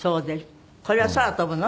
これは空飛ぶの？